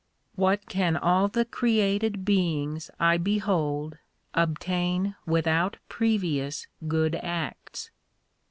What can all the created beings I behold obtain without previous good acts